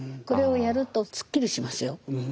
これをやるとすっきりしますよ。